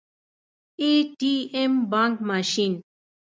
🏧 بانګ ماشین